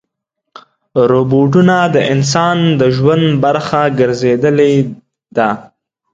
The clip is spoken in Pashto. روبوټونه د انسان د ژوند برخه ګرځېدلي دي.